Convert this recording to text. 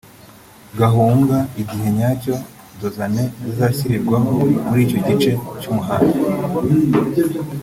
Gahunga igihe nyacyo “Dos d’Anne” zizashyirirwa muri icyo gice cy’umuhanda